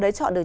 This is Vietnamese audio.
để chọn được